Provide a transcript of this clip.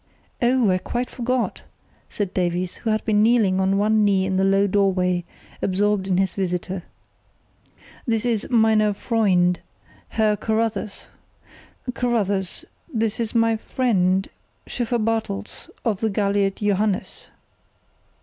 "Oh, I quite forgot!" said Davies, who had been kneeling on one knee in the low doorway, absorbed in his visitor. "This is 'meiner Freund,' Herr Carruthers. Carruthers, this is my friend, Schiffer Bartels, of the galliot Johannes."